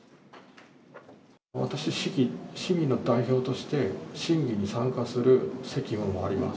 私、市民の代表として、審議に参加する責務もあります。